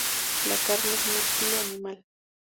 La carne es músculo animal.